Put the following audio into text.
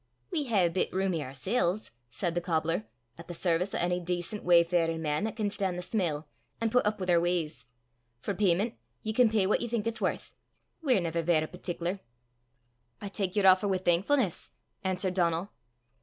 "We hae a bit roomie oorsel's," said the cobbler, "at the service o' ony dacent wayfarin' man that can stan' the smell, an' put up wi' oor w'ys. For peyment, ye can pey what ye think it's worth. We're never varra partic'lar." "I tak yer offer wi' thankfu'ness," answered Donal.